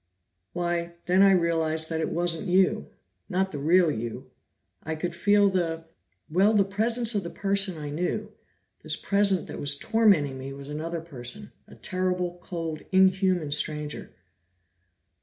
"Why, then I realized that it wasn't you not the real you. I could feel the well, the presence of the person I knew; this presence that was tormenting me was another person, a terrible, cold, inhuman stranger."